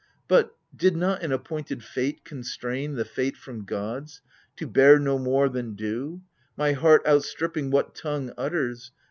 But, did not an appointed Fate constrain The Fate from gods, to bear no more than due, My heart, outstripping what tongue utters.